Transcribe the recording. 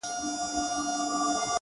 د وخت ضایع تاوان خاموشه دی!.